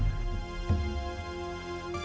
tuh ayuna aja mengakuinya